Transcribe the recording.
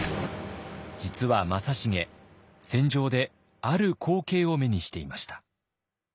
実は正成戦場である光景を目にしていました。